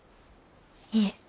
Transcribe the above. いえ。